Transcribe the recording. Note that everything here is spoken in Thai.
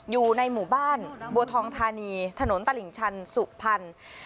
อยู่ในหมู่บ้านบัวทองธานีถนนตลิ่งชันสุพรรณ